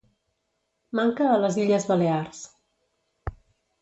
Manca a les Illes Balears.